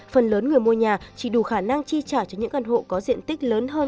phần lớn người mua nhà chỉ đủ khả năng chi trả cho những căn hộ có diện tích lớn hơn